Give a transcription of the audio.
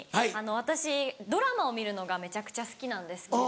私ドラマを見るのがめちゃくちゃ好きなんですけど。